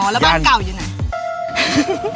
แล้วบ้านเก่าอยู่ไหน